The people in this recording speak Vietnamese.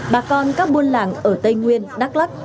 bà con các buôn làng ở tây nguyên đắk lắc